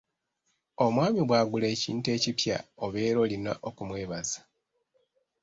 Omwami bw'agula ekintu ekipya obeera olina okumwebaza.